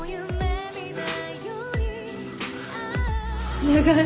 お願い。